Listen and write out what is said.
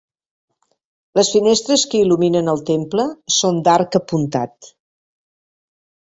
Les finestres que il·luminen el temple són d'arc apuntat.